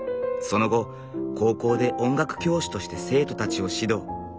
その後高校で音楽教師として生徒たちを指導。